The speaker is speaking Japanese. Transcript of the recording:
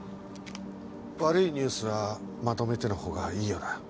悪いニュースはまとめてのほうがいいよな。